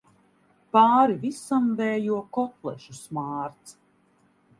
Pāri visam vējo kotlešu smārds.